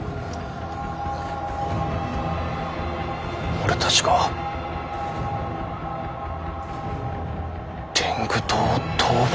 俺たちが天狗党を討伐？